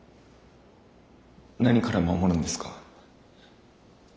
何から守るんですか？